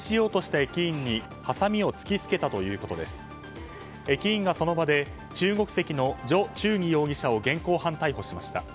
駅員がその場で中国籍のジョ・チュウギ容疑者を現行犯逮捕しました。